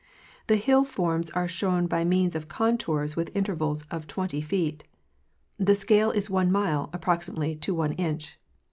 The hill forms are shown by means of contours with intervals of twenty feet. The scale is one mile, approximately, to oneinch.